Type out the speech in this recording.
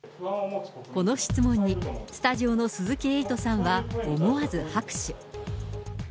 この質問に、スタジオの鈴木エイトさんは思わず拍手。